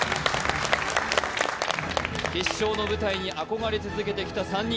決勝の舞台に憧れ続けてきた３人。